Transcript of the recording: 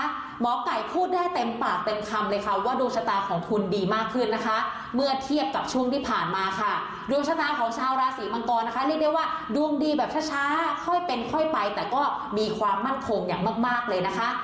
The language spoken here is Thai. หมอไก่พูดได้เต็มปากเต็มคำเลยค่ะว่าดวงชะตาของคุณดีมากขึ้นนะคะเมื่อเทียบกับช่วงที่ผ่านมาค่ะดวงชะตาของชาวราศีมังกรนะคะเรียกได้ว่าดวงดีแบบช้าค่อยเป็นค่อยไปแต่ก็มีความมั่นคงอย่างมากเลยนะคะ